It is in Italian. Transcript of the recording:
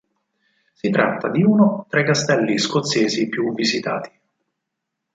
Si tratta di uno tra i castelli scozzesi più visitati.